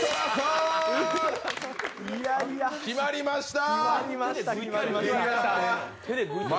決まりました！